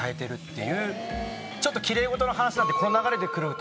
ちょっと奇麗事の話なんで。